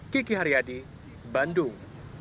kiki haryadi bandung